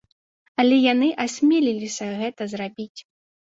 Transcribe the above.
Але яны асмеліліся гэта зрабіць.